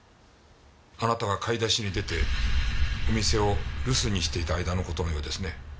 あなたが買い出しに出てお店を留守にしていた間の事のようですね。